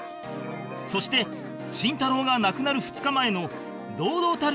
そして慎太郎が亡くなる２日前の堂々たる姿も明らかになる